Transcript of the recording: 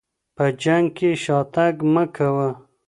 په جنګ کي شاتګ مه کوه.